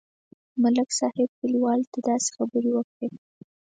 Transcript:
ملک صاحب کلیوالو ته داسې خبرې وکړې.